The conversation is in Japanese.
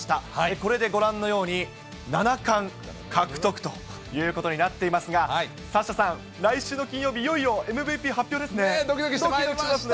これでご覧のように、７冠獲得ということになっていますが、サッシャさん、来週の金曜どきどきしてまいりました。